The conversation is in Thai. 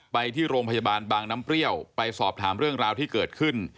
ไปที่โรงพยาบาลบางน้ำเปรี้ยวไปสอบถามเรื่องราวที่เกิดขึ้น